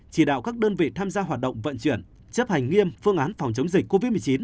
chỉ đạo các đơn vị tham gia hoạt động vận chuyển chấp hành nghiêm phương án phòng chống dịch covid một mươi chín